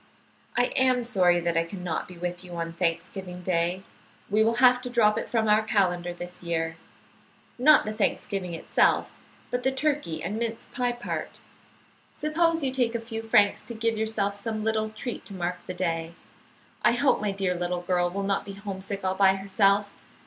"I am sorry that I can not be with you on Thanksgiving Day. We will have to drop it from our calendar this year; not the thanksgiving itself, but the turkey and mince pie part. Suppose you take a few francs to give yourself some little treat to mark the day. I hope my dear little girl will not be homesick all by herself.